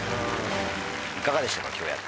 いかがでしたか？